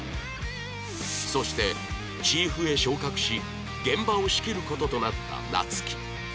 そしてチーフへ昇格し現場を仕切る事となった夏希